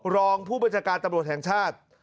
รองผู้บัญชาการตำรวจแห่งชาติ